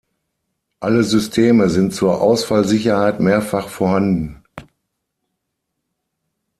Alle Systeme sind zur Ausfallsicherheit mehrfach vorhanden.